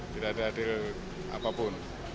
tidak ada deal apapun